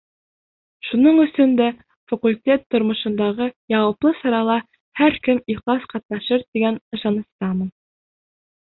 Шуның өсөн дә факультет тормошондағы яуаплы сарала һәр кем ихлас ҡатнашыр тигән ышаныстамын.